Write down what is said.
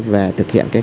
và thực hiện